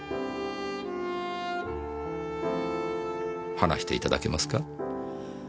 話していただけますか？